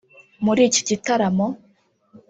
muri iki gitaramo